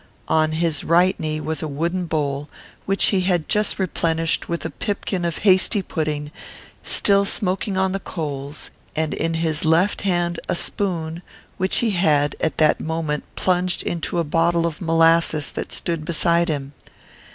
On his right knee was a wooden bowl, which he had just replenished from a pipkin of hasty pudding still smoking on the coals; and in his left hand a spoon, which he had, at that moment, plunged into a bottle of molasses that stood beside him.